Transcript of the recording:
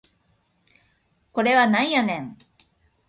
これはなんやねん